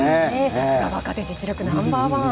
さすが、若手実力ナンバー１。